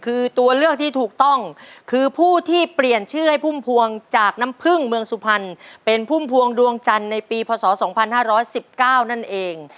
คือตัวเลือกที่ถูกต้องคือผู้ที่เปลี่ยนชื่อให้พุ่มพวงจากน้ำพึ่งเมืองสุพรรณเป็นพุ่มพวงดวงจันทร์ในปีพศ๒๕๑๙นั่นเอง